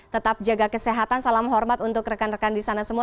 tetap jaga kesehatan salam hormat untuk rekan rekan di sana semua